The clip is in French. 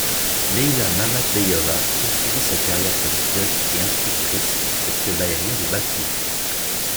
Leyla Mammadbeyova poursuivit sa carrière comme pilote et instructrice au club aérien de Bakou.